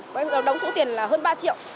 bọn em đóng số tiền là hơn ba triệu